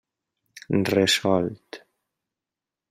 Resolt!